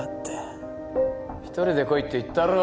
一人で来いって言ったろ！